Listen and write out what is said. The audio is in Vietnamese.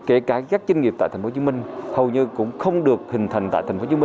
kể cả các doanh nghiệp tại tp hcm